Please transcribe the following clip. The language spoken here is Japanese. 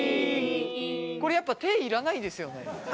これやっぱ手いらないですよね？